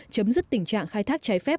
chấm dứt tình trạng khai thác trái phép